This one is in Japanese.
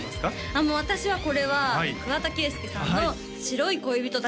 あっもう私はこれは桑田佳祐さんの「白い恋人達」